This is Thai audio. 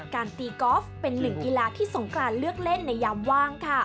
การตีกอล์ฟเป็นหนึ่งกีฬาที่สงกรานเลือกเล่นในยามว่างค่ะ